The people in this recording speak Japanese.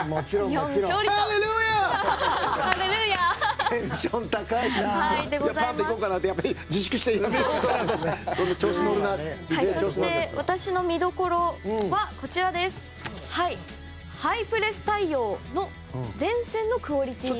そして私の見どころはハイプレス対応の前線のクオリティー。